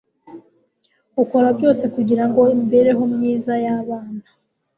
ukora byose kugirango imibereho myiza yabana